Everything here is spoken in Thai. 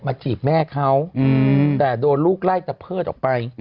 จีบแม่เขาแต่โดนลูกไล่ตะเพิดออกไป